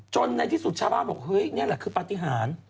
ในที่สุดชาวบ้านบอกเฮ้ยนี่แหละคือปฏิหาร